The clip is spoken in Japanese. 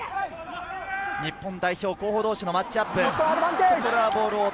日本代表候補同士のマッチアップ。